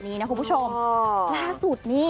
นี่นะคุณผู้ชมล่าสุดนี่